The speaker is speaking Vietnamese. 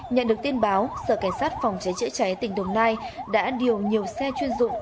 nhận được tin báo sở cảnh sát phòng cháy chữa cháy tỉnh đồng nai đã điều nhiều xe chuyên dụng